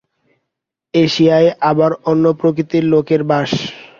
এশিয়ায় আবার অন্য প্রকৃতির লোকের বাস।